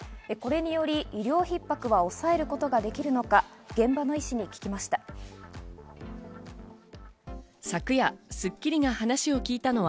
これにより医療逼迫は抑えることができるのか、現場の医師に聞きました。